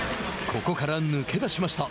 ここから抜けだしました。